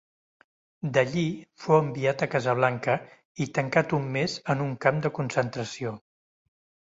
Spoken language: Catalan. D'allí fou enviat a Casablanca i tancat un mes en un camp de concentració.